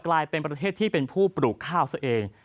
กลายเป็นประเทศที่เป็นผู้ปลูกข้าวซะเอง